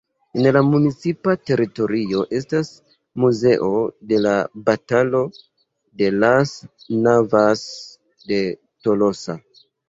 En la municipa teritorio estas Muzeo de la Batalo de las Navas de Tolosa.